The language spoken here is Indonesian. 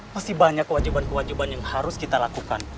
masih banyak kewajiban kewajiban yang harus kita lakukan